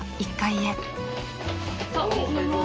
おはようございます。